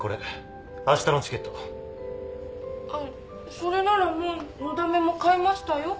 それならもうのだめも買いましたよ。